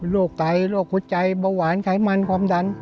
ไตโรคหัวใจเบาหวานไขมันความดัน